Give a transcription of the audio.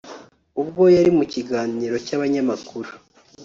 ubwo yari mu kiganiro cy’abanyamakuru